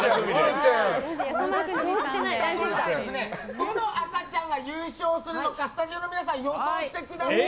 どの赤ちゃんが優勝するのかスタジオの皆さん予想してください。